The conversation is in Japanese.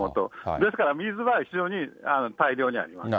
ですから水が非常に、大量にあります。